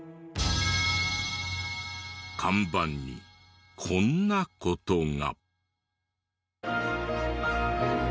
看板にこんな事が。